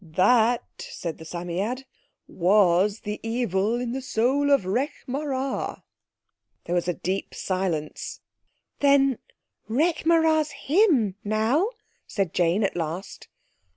"That," said the Psammead, "was the evil in the soul of Rekh marā." There was a deep silence. "Then Rekh marā's him now?" said Jane at last.